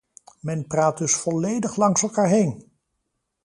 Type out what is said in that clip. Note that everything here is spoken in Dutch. Men praat dus volledig langs elkaar heen!